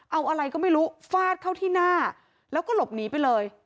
เอาอะไรก็ไม่รู้ฟาดเข้าที่หน้าแล้วก็หลบหนีไปเลย